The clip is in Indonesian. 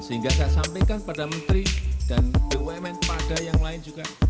sehingga saya sampaikan pada menteri dan bumn pada yang lain juga